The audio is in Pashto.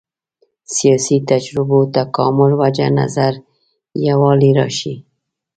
سیاسي تجربو تکامل وجه نظر یووالی راشي.